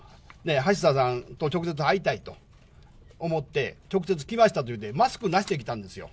橋田さんと直接会いたいと思って、直接来ましたって言うて、マスクなしで来たんですよ。